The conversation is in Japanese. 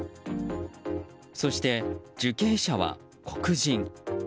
そして、受刑者は黒人。